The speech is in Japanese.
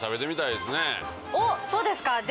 おっそうですか。